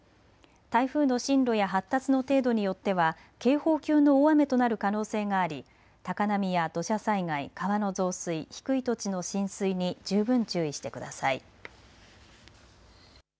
台風の進路や発達の程度によっては警報級の大雨となる可能性があり高波や土砂災害、川の増水、低い土地の浸水に十分注意してください。